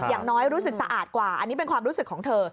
อย่างน้อยรู้สึกสะอาดกว่าอันนี้เป็นความรู้สึกของเธอ